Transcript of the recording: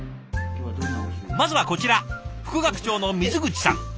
まずはこちら副学長の水口さん。